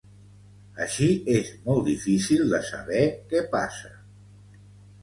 Així és molt difícil de saber què passa.